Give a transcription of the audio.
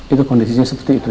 itu kondisinya seperti itu